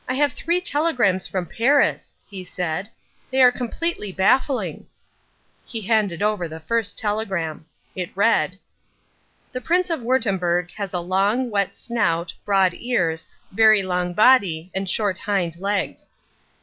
"I have three telegrams from Paris," he said, "they are completely baffling." He handed over the first telegram. It read: "The Prince of Wurttemberg has a long, wet snout, broad ears, very long body, and short hind legs."